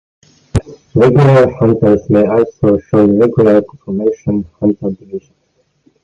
Regular Hunters may also show in Regular Conformation Hunter divisions.